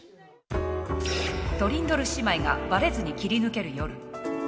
トリンドル姉妹がバレずに切り抜ける夜